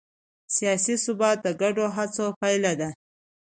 سیاسي ثبات د ګډو هڅو پایله ده